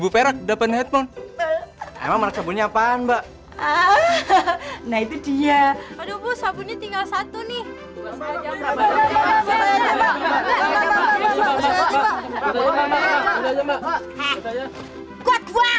dua ribu perak dapat handphone sama sabunnya apaan mbak nah itu dia aduh sabunnya tinggal satu nih